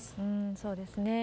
そうですね。